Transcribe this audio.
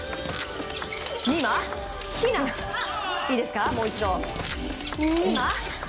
いいですか？